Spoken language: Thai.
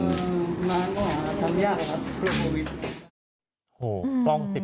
ทำยากครับ